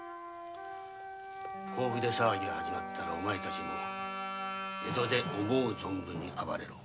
甲府で騒ぎが始まったらお前たちは江戸で思う存分に暴れろ。